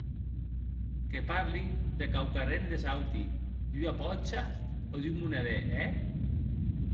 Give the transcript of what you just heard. Que parli de quauquarren des auti, d'ua pòcha o d'un monedèr, è?